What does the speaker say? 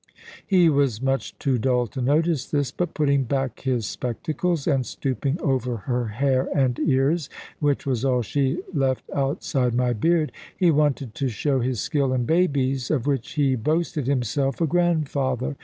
He was much too dull to notice this; but putting back his spectacles, and stooping over her hair and ears (which was all she left outside my beard), he wanted to show his skill in babies, of which he boasted himself a grandfather.